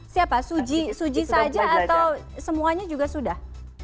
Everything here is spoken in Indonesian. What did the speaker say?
siapa suji saja atau semuanya juga sudah